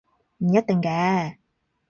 唔一定嘅